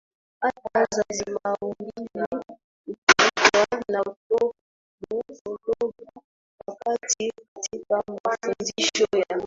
hata za kimaumbile hufutwa na toba wakati katika mafundisho ya